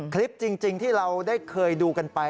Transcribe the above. คลิปจริงที่เราได้เคยดูกันไป